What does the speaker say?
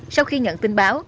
sau khi nhận tin báo